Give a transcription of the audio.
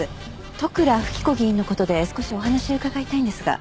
利倉富貴子議員の事で少しお話を伺いたいんですが。